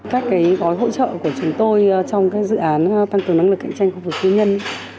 các gói hỗ trợ của chúng tôi trong dự án tăng cường năng lực cạnh tranh khu vực tư nhân